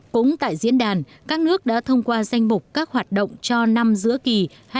cũng tại diễn đàn các nước đã thông qua danh mục các hoạt động cho năm giữa kỳ hai nghìn một mươi bảy hai nghìn một mươi tám